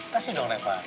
kasih dong lepa